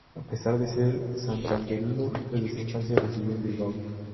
A pesar de ser santanderino, desde su infancia residió en Bilbao.